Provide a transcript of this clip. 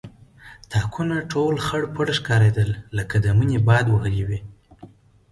تاکونه ټول خړپړ ښکارېدل لکه د مني باد وهلي وي.